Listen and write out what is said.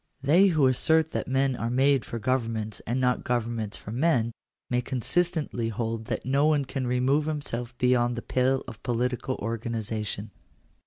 They who assert that men are made for governments and not governments for men, may consistently hold that no one can remove himself beyond the pale of political organization.